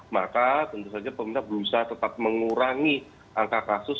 maka tentu saja pemerintah berusaha tetap mengurangi angka kasus